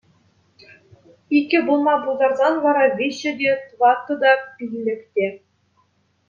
Иккӗ пулма пултарсан вара виҫҫӗ те, тваттӑ та, пиллӗк те...